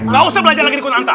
gak usah belajar lagi rekun antak